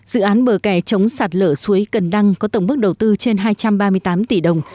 dự án bờ kè chống sạt lở suối cần đăng có tổng mức đầu tư trên hai trăm ba mươi tám tỷ đồng